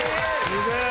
すげえ。